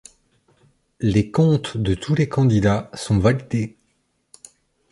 Les comptes de tous les candidats sont validés.